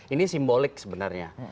ini simbolik sebenarnya